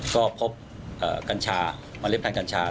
ก็พบกัญชามริพันธ์กัญชา